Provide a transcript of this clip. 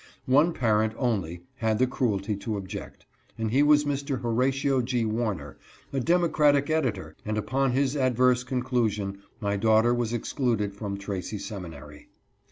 One parent only had the cruelty to object, and he was Mr. Horatio G. Warner, a democratic editor, and upon his adverse conclusion my daughter was excluded from " Tracy Seminary."